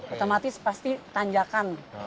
otomatis pasti tanjakan